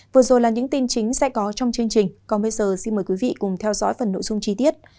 vừa rồi là những tin chính sẽ có trong chương trình còn bây giờ xin mời quý vị cùng theo dõi phần nội dung chi tiết